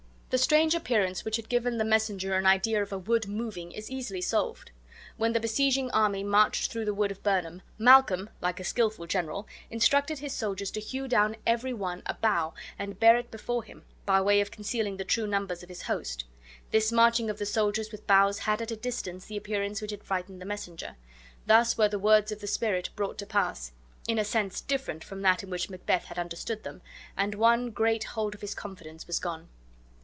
The strange appearance which had given the messenger an idea of a wood moving is easily solved. When the besieging army marched through the wood of Birnam, Malcolm, like a skilful general, instructed his soldiers to hew down every one a bough and bear it before him, by way of concealing the true numbers of his host. This marching of the soldiers with boughs had at a distance the appearance which had frightened the messenger. Thus were the words of the spirit brought to pass, in a sense different from that in which Macbeth had understood them, and one great hold of his confidence was gone.